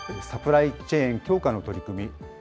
サプライチェーン強化の取り組み。